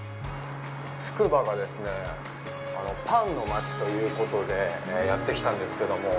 つくばが、パンのまちということでやってきたんですけども。